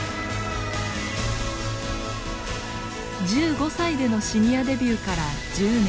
１５歳でのシニアデビューから１０年。